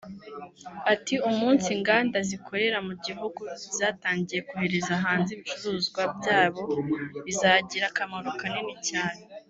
ati “Umunsi inganda zikorera mu gihugu zatangiye kohereza hanze ibicuruzwa byabo bizagira akamaro kanini cyane